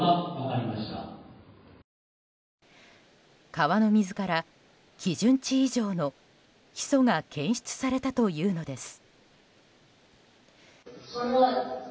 川の水から基準値以上のヒ素が検出されたというのです。